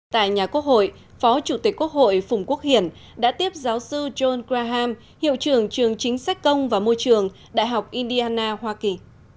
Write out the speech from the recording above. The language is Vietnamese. tại nhà quốc hội phó chủ tịch quốc hội phùng quốc hiển đã tiếp giáo sư john kraham hiệu trưởng trường chính sách công và môi trường đại học indiana hoa kỳ